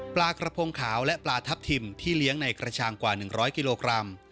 ปลากระพงขาวและปลาทับทิมที่เลี้ยงในกระชางกว่า๑๐๐กิโลกรัม